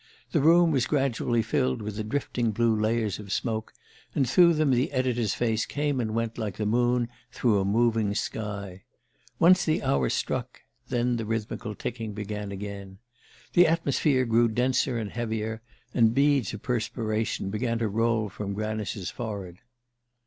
The room was gradually filled with drifting blue layers of smoke, and through them the editor's face came and went like the moon through a moving sky. Once the hour struck then the rhythmical ticking began again. The atmosphere grew denser and heavier, and beads of perspiration began to roll from Granice's forehead.